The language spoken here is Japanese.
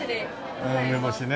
梅干しね。